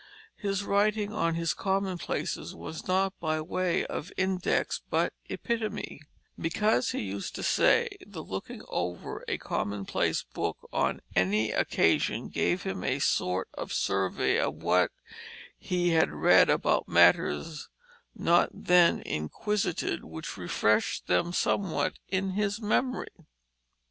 His writing on his commonplaces was not by way of index but epitome: because he used to say the looking over a commonplace book on any occasion gave him a sort of survey of what he had read about matters not then inquisited, which refreshed them somewhat in his memory."